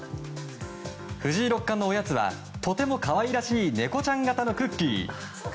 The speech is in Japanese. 藤井六冠のおやつはとても可愛らしい猫ちゃん形のクッキー。